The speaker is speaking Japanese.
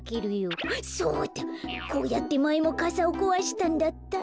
そうだこうやってまえもかさをこわしたんだった。